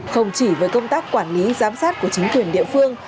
không chỉ với công tác quản lý giám sát của chính quyền địa phương